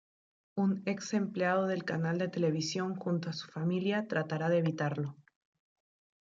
Un ex-empleado del canal de televisión, junto a su familia, tratará de evitarlo.